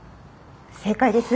正解です。